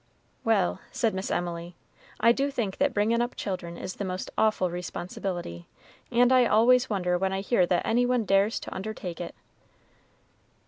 "Well," said Miss Emily, "I do think that bringin' up children is the most awful responsibility, and I always wonder when I hear that any one dares to undertake it."